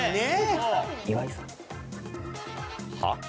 はっ？